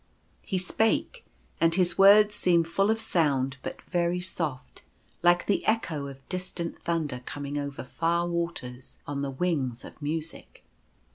He spake, and his words seemed full of sound but very soft, like the echo of distant thunder coming over far waters on the wings of music.